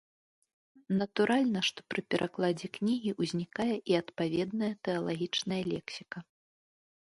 Натуральна, што пры перакладзе кнігі ўзнікае і адпаведная тэалагічная лексіка.